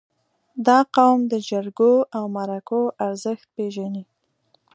• دا قوم د جرګو او مرکو ارزښت پېژني.